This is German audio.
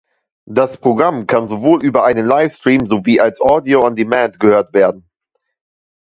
Das Programm kann auch über einen Livestream sowie als Audio on Demand gehört werden.